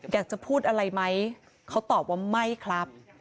อยากจะพูดอะไรไหมเขาตอบว่าไม่ครับ